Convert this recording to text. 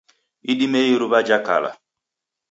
Idimei iruw'a jhakala.